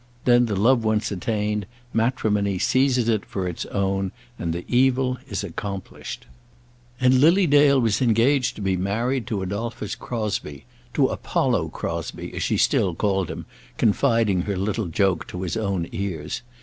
Then, the love once attained, matrimony seizes it for its own, and the evil is accomplished. And Lily Dale was engaged to be married to Adolphus Crosbie, to Apollo Crosbie, as she still called him, confiding her little joke to his own ears.